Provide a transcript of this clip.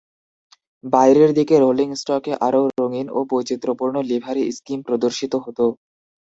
বাইরের দিকে রোলিং স্টকে আরও রঙিন ও বৈচিত্র্যপূর্ণ লিভারি স্কিম প্রদর্শিত হতো।